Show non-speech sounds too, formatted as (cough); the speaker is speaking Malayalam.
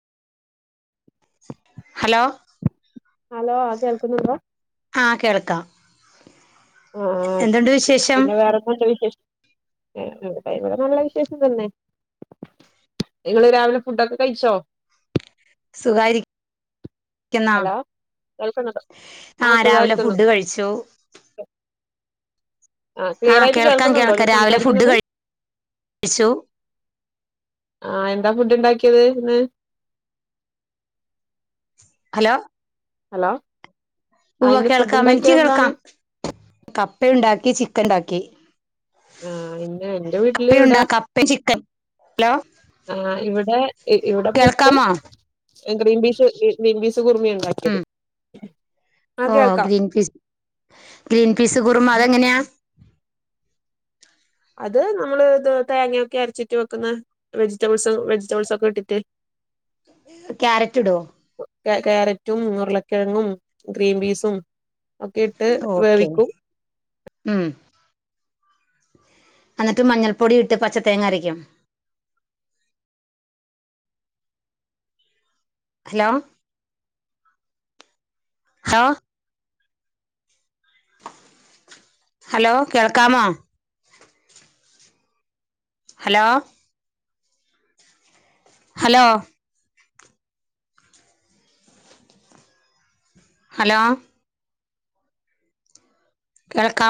ഹലോ ഹലോ ആ കേൾക്കുന്നുണ്ടോ ആ കേൾക്കാം ആആഹ് എന്തുണ്ട് വിശേഷം പിന്നെ വേറെക്കെന്താ (unintelligible) ഏ (unintelligible) നല്ല വിശേഷം തന്നെ ഇങ്ങള് രാവിലെ ഫുഡൊക്കെ കയ്ച്ചോ സുഖായിരിക് യ്ക്കുന്നോ ഹലോ കേൾക്കുന്നുണ്ടോ ആ രാവിലെ ഫുഡ് കഴിച്ചു (inaudible) ആ ക്ലിയർ ആയിട്ട് കേൾക്കാം കേൾക്കുന്നുണ്ടോ കേൾക്കാം ഞാൻ രാവിലെ ഫുഡ് സംസാരിക്കുന്നത് കഴിച്ചു ആ എന്താ ഫുഡ്ണ്ടാക്കിയത് ന്ന് ഹലോ ഹലോ ആഹ് ഉവൊ ഇന്ന് ഫുഡ് കേൾക്കാം എനിയ്ക്ക് ഉണ്ടാക്കിയത് എന്താണ് കേൾക്കാം കപ്പയുണ്ടാക്കി ചിക്കൻ ണ്ടാക്കി ആ പിന്നെ എന്റെ വീട്ടില്‌ വ്ടാ കപ്പയും ചിക്കൻ ഹലോ ആ ഇവിടെ ഇവിടെ പുട്ടും കേൾക്കാമോ ഗ്രീൻ പീസ് ഗ്രി ഗ്രീൻ പീസ് കുർമിയാ ഉണ്ടാക്യേത് ഓ green peas green peas kurma അതെങ്ങെന്യാ അത് നമ്മള് ത് തേങ്ങ്യൊക്കെ രച്ചിട്ട് വെക്കുന്ന വെജിറ്റബിൾസ് വെിറ്റബിൾസ് ഒക്കെട്ടിട്ട് ക്യാരറ്റ് ടോ ക്യ ക്യാരറ്റും ഉരുളക്കെഴങ്ങും ഗ്രീൻ പീസും ഒക്കെട്ട് ഓക്കെ ഉം അന്നട്ട് മഞ്ഞൾപ്പൊടി ഇട്ട് പച്ച തേങ്ങ അരക്കും ഹലോ (unintelligible) ഹലോ കേൾക്കാമോ ഹലോ ഹലോ ഹലോ കേൾക്കാം..